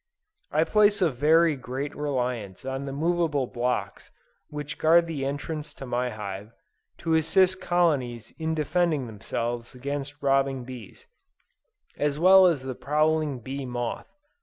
I place very great reliance on the movable blocks which guard the entrance to my hive, to assist colonies in defending themselves against robbing bees, as well as the prowling bee moth.